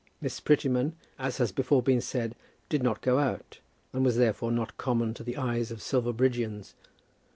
Miss Prettyman, as has before been said, did not go out, and was therefore not common to the eyes of the Silverbridgians.